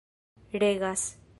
regas